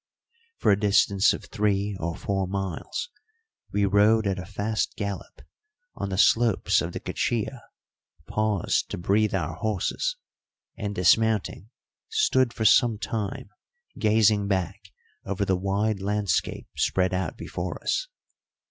For a distance of three or four miles we rode at a fast gallop, on the slopes of the Cuchilla paused to breathe our horses, and, dismounting, stood for some time gazing back over the wide landscape spread out before us.